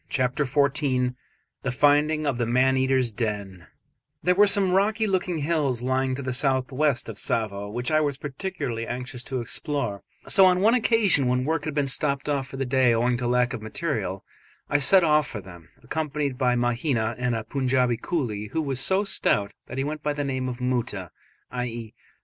CHAPTER XIV THE FINDING OF THE MAN EATERS' DEN There were some rocky looking hills lying to the south west of Tsavo which I was particularly anxious to explore, so on one occasion when work had been stopped for the day owing to lack of material, I set off for them, accompanied by Mahina and a Punjaubi coolie, who was so stout that he went by the name of Moota (i.e.